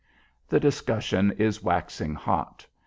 The discussion is waxing hot.